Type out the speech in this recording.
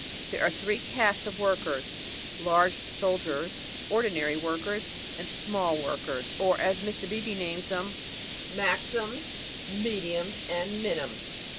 There are three castes of workers, large "soldiers," ordinary "workers," and small "workers," or, as Mr. Beebe names them, Maxims, Mediums, and Minims.